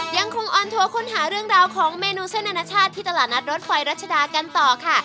ออนทัวร์ค้นหาเรื่องราวของเมนูเส้นอนาชาติที่ตลาดนัดรถไฟรัชดากันต่อค่ะ